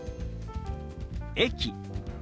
「駅」。